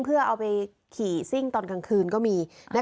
เพื่อเอาไปขี่ซิ่งตอนกลางคืนก็มี